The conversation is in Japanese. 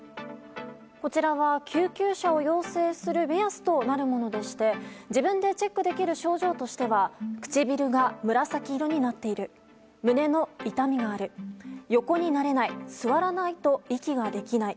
こちらは救急車を要請する目安となるものでして自分でチェックできる症状としては唇が紫色になっている胸の痛みがある横になれない座らないと息ができない。